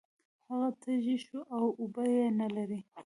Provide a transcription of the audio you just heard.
هغه تږی شو او اوبه یې نلرلې.